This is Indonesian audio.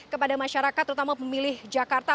kepada masyarakat terutama pemilih jakarta